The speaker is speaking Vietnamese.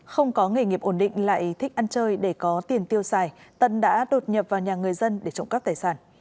không có nghề nghiệp ổn định lại thích ăn chơi để có tiền tiêu xài tân đã đột nhập vào nhà người dân để trộm cắp tài sản